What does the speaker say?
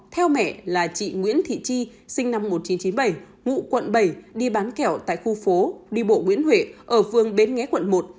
theo mẹ là chị nguyễn thị chi sinh năm một nghìn chín trăm chín mươi bảy ngụ quận bảy đi bán kẹo tại khu phố đi bộ nguyễn huệ ở phương bến nghé quận một